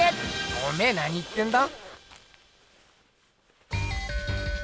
おめえなに言ってんだ？